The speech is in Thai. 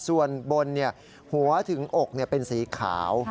ส่วนบนหัวถึงอกเป็นสีขาว